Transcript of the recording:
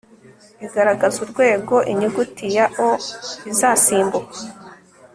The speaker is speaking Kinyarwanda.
igaragaza urwego inyuguti ya o izasimbukwa